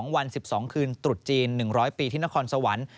วัน๑๒คืนตรุษจีน๑๐๐ปีที่นครสวรรค์